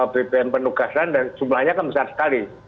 bpm penugasan dan jumlahnya kebesar sekali